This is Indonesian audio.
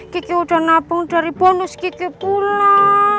kiki udah nabung dari bonus kiki pula